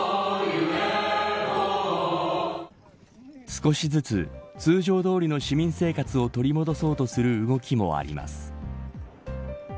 少しずつ通常どおりの市民生活を取り戻そうとする動きもあります。